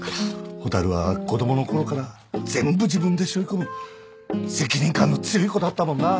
蛍は子供のころから全部自分でしょい込む責任感の強い子だったもんなあ。